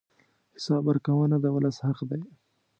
حساب ورکونه د ولس حق دی.